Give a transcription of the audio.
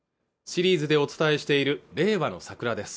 シリーズでお伝えしている「令和のサクラ」です